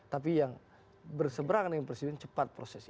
tapi yang berseberang dengan presiden cepat proses